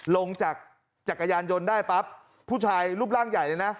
ลงจากจักรยานยนต์ได้ปั๊บผู้ชายรูปร่างใหญ่เลยนะ